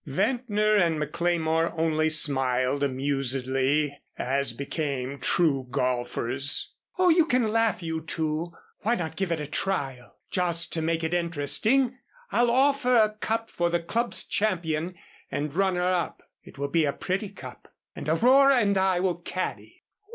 Ventnor and McLemore only smiled amusedly, as became true golfers. "Oh you can laugh, you two. Why not give it a trial? Just to make it interesting I'll offer a cup for the Club champion and runner up. It will be a pretty cup and Aurora and I will caddy."